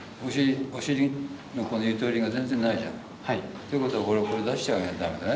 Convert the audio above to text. お尻のこのゆとりが全然ないじゃない。ということはこれを出してあげなきゃダメだね。